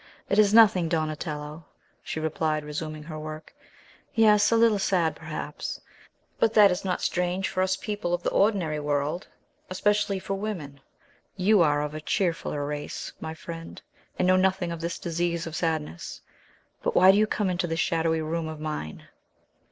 "It is nothing, Donatello," she replied, resuming her work; "yes; a little sad, perhaps; but that is not strange for us people of the ordinary world, especially for women. You are of a cheerfuller race, my friend, and know nothing of this disease of sadness. But why do you come into this shadowy room of mine?"